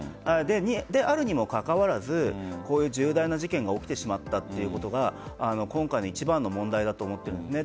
であるにもかかわらずこういう重大な事件が起きてしまったということが今回の一番の問題だと思っている。